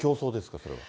それは。